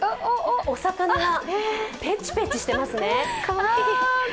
お魚、ペチペチしていますね。